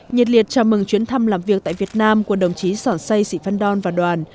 nhiệt liệt chào mừng chuyến thăm làm việc tại việt nam của đồng chí sởn say sĩ phan đon và đoàn